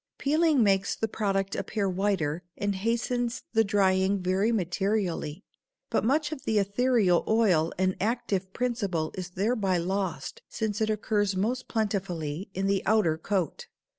Peeling makes the product appear whiter and hastens drying very materially, but much of the ethereal oil and active principle is thereby lost since it occurs most plentifully in the outer coat.